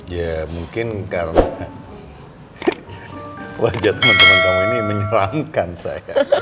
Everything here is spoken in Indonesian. ya mungkin karena wajah teman teman kamu ini menyeramkan saya